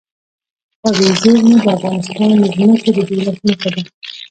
طبیعي زیرمې د افغانستان د ځمکې د جوړښت نښه ده.